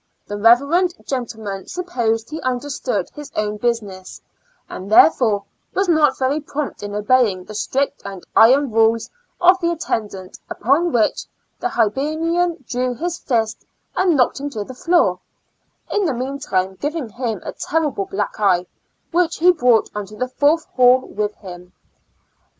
The Eeverend gentleman supposed he understood his own business, and, therefore, was not very prompt in obeying the strict and iron rules of the attendant, upon which the Hibernian drew his fist and knocked him to the floor, in the meantime giving him a terrible black eye, which he brought on to the fourth hall with him.